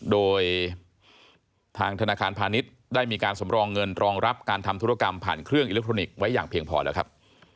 โดยทางธนาคารพาณิชย์ได้มีการสำรองเงินรองรับการทำธุรกรรมผ่านเครื่องอิเล็กทรอนิกส์ไว้อย่างเพียงพอแล้วครับ